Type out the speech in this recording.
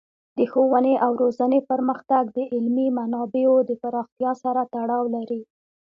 د ښوونې او روزنې پرمختګ د علمي منابعو د پراختیا سره تړاو لري.